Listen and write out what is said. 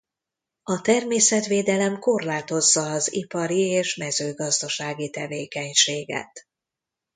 A természetvédelem korlátozza az ipari és mezőgazdasági tevékenységet.